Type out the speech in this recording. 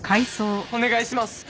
お願いします！